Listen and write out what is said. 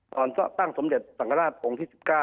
ตั้งสมเด็จสังฆราชองค์ที่๑๙